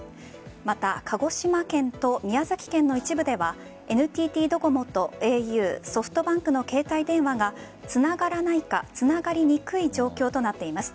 また鹿児島県と宮崎県の一部ではＮＴＴドコモとａｕソフトバンクの携帯電話がつながらないかつながりにくい状況となっています。